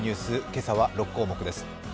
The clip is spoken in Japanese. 今朝は６項目です。